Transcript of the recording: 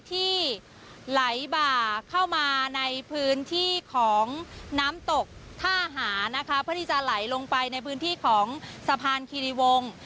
ที่ไหลบ่าเข้ามาในพื้นที่ของน้ำตกท่าหานะคะเพื่อที่จะไหลลงไปในพื้นที่ของสะพานคิริวงศ์